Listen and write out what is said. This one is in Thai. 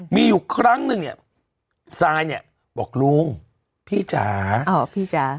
มีอยู่ครั้งหนึ่งสายบอกลุงพี่จ๋า